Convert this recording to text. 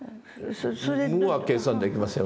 無は計算できませんよ